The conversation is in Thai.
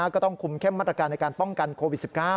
ก็ต้องคุมเข้มมาตรการในการป้องกันโควิด๑๙